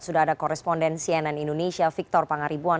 sudah ada koresponden cnn indonesia victor pangaribuan